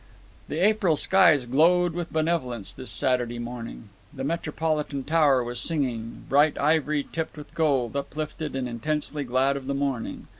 The April skies glowed with benevolence this Saturday morning. The Metropolitan Tower was singing, bright ivory tipped with gold, uplifted and intensely glad of the morning.